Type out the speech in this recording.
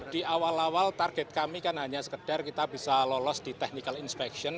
di awal awal target kami kan hanya sekedar kita bisa lolos di technical inspection